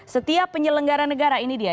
setiap penyelenggara negara ini dia